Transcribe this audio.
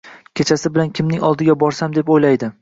Kechasi bilan kimning oldiga borsam deb oʻylaydi.